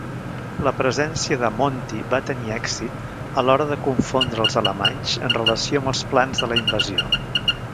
La presència de "Monty" va tenir èxit, a l"hora de confondre els alemanys en relació amb els plans de la invasió.